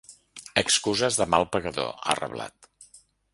Excuses de mal pagador, ha reblat.